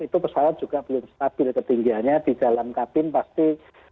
itu pesawat juga belum stabil ketinggiannya di dalam kabin pasti